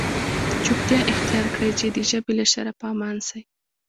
چوپتیا اختیار کړئ! چي د ژبي له شره په امن سئ.